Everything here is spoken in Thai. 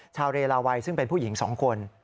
ชาวเรลาวัยซึ่งเป็นผู้หญิง๒คน